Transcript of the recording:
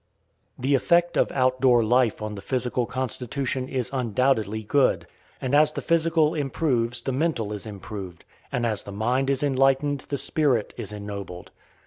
The effect of out door life on the physical constitution is undoubtedly good, and as the physical improves the mental is improved; and as the mind is enlightened the spirit is ennobled.